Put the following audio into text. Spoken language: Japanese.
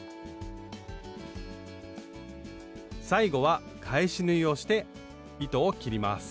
最後は返し縫いをして糸を切ります